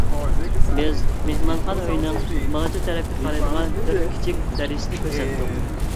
بىز مېھمانخانا ئۆينىڭ باغچە تەرەپكە قارايدىغان بىر كىچىك دېرىزىسىنى كۆرسەتتۇق.